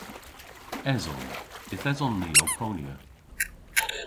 Eson. Yth eson ni ow ponya.